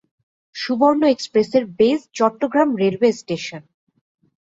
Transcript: সুবর্ণ এক্সপ্রেসের base Chittagong railway station.